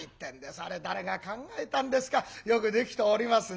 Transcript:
あれ誰が考えたんですかよくできておりますね。